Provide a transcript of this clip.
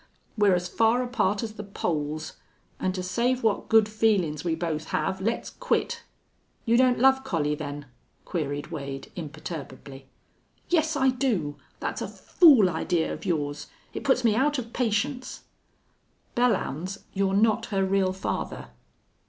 We're as far apart as the poles. An' to save what good feelin's we both have, let's quit." "You don't love Collie, then?" queried Wade, imperturbably. "Yes, I do. That's a fool idee of yours. It puts me out of patience." "Belllounds, you're not her real father."